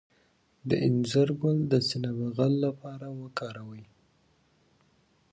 د انځر ګل د سینه بغل لپاره وکاروئ